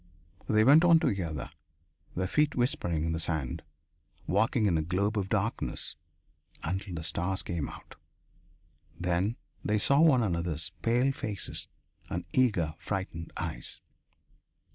They went on together, their feet whispering in the sand, walking in a globe of darkness until the stars came out then they saw one another's pale faces and eager, frightened eyes.